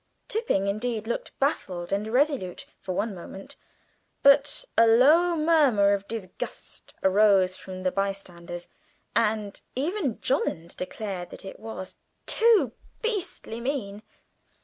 Tipping, indeed, looked baffled and irresolute for one moment, but a low murmur of disgust arose from the bystanders, and even Jolland declared that it was "too beastly mean."